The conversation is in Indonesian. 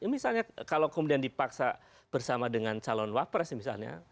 misalnya kalau kemudian dipaksa bersama dengan calon wapres misalnya